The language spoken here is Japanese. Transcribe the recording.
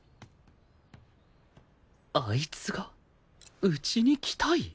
あいつがうちに来たい？